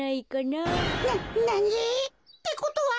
ななに？ってことは。